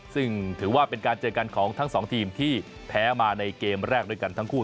ซึ่งถือว่าเป็นการเจอกันของทั้งสองทีมที่แพ้มาในเกมแรกด้วยกันทั้งคู่